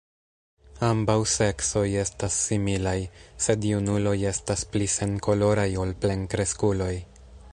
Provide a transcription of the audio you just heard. Ambaŭ seksoj estas similaj, sed junuloj estas pli senkoloraj ol plenkreskuloj.